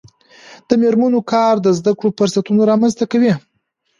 د میرمنو کار د زدکړو فرصتونه رامنځته کوي.